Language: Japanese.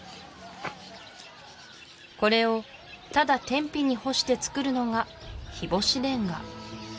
これをただ天日に干してつくるのが日干しレンガ